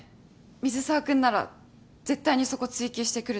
水沢君なら絶対にそこ追及してくると思う。